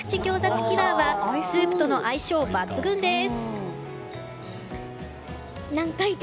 チキラーはスープとの相性抜群です。